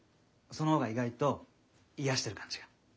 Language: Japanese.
その方が意外と癒やしてる感じが。